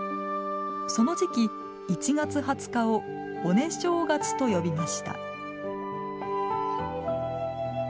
その時期、１月２０日を「骨正月」と呼びました。